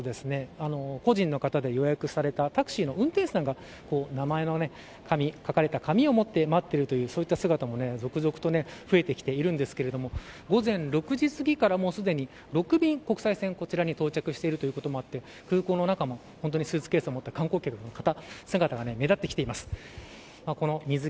その奥を見ますと個人の方で予約されたタクシーの運転手さんが名前の書かれた紙を持って待っている姿も続々と増えてきているんですけれども午前６時すぎからすでに６便、国際線がこちらに到着していることもあって空港の中もスーツケースを持った観光客の方の姿が目立っています。